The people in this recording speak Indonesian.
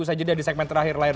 usai jeda di segmen terakhir layar